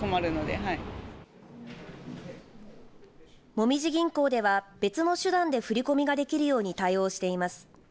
もみじ銀行では別の手段で振り込みができるように対応しています。